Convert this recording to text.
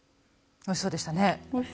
おいしそうでしたね。